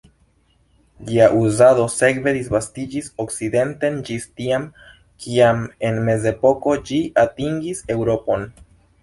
Ĝia uzado sekve disvastiĝis okcidenten ĝis tiam, kiam en Mezepoko ĝi atingis Eŭropon.